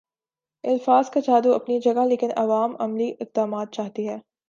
الفاظ کا جادو اپنی جگہ لیکن عوام عملی اقدامات چاہتی ہے